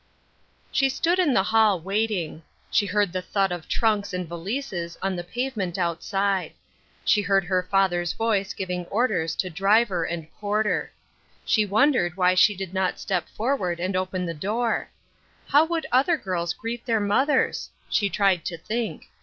;HE stood in the hall, waiting. She heard the thud of trunks and valises on the pavement outside. She heard her father's voice giving orders to driver and porter. She won dered why she did not step forward and open the door. How would other girls greet their mothers? She tried to think.